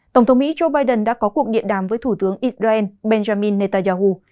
tổng thống mỹ joe biden đã có cuộc điện đàm với thủ tướng israel benjamin netanyahu